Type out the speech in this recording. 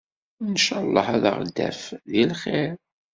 Ncalleh ad aɣ-d-taf di lxiṛ.